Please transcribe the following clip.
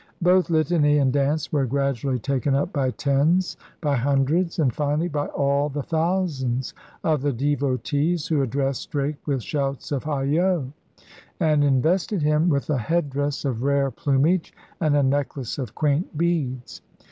Both litany and dance were gradually taken up by tens, by hundreds, and finally by all the thousands of the devotees, who addressed Drake with shouts of Hyoh! and invested him with a headdress of rare plumage and a necklace of quaint beads.